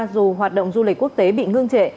dù hoạt động du lịch quốc tế bị ngưng trệ